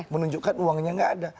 menunjukkan uangnya gak ada